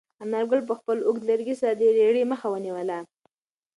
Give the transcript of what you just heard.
انارګل په خپل اوږد لرګي سره د رېړې مخه ونیوله.